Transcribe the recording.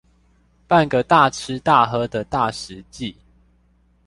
辦個大吃大喝的大食祭